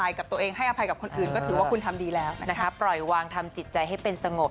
ยังดังหลวยนะครับ